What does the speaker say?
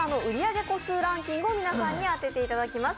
ベストランキングを皆さんに当てていただきます。